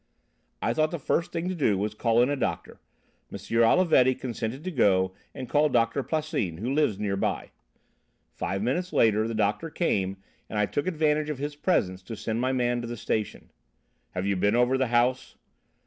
"I thought the first thing to do was to call in a doctor. M. Olivetti consented to go and call Doctor Plassin, who lives near by. Five minutes later the doctor came, and I took advantage of his presence to send my man to the Station." "Have you been over the house?"